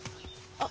あっ。